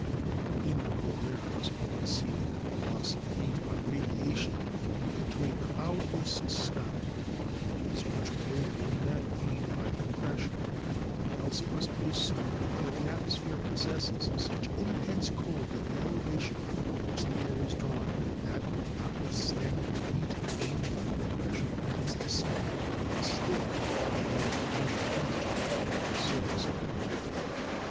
In the cold wave it must be conceded that the loss of heat by radiation to a cloudless sky is much greater than that gained by compression, or else it must l)e assumed that the at mosphere i)ossesses such intense colil at the elevation from which the air is drawn that, notwithstanding the heat gained by compression in its descent, it is still far below the normal tem perature at the surface of the earth.